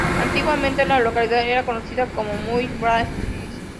Antiguamente la localidad era conocida como "Mullah-Bayazid".